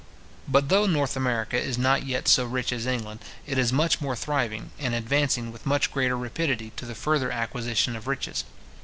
But though North America is not yet so rich as England, it is much more thriving, and advancing with much greater rapidity to the further acquisition of riches.